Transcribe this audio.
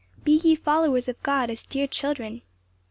'Be ye followers of God as dear children.'"